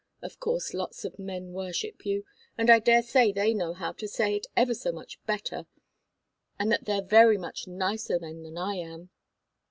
Of course, lots of men worship you, and I daresay they know how to say it ever so much better and that they're very much nicer men than I am.